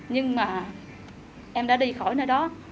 nhưng mà em đã đi khỏi nơi đó